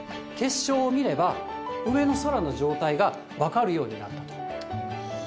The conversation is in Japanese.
結晶を見れば、上の空の状態が分かるようになったと。